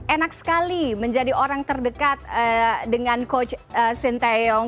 enak sekali menjadi orang terdekat dengan coach sinteyong